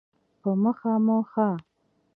په مخه مو ښه.